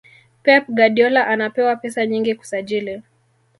pep guardiola anapewa pesa nyingi kusajili